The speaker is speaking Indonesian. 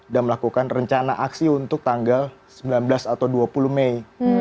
dan melakukan rencana aksi untuk tanggal sembilan belas atau dua puluh mei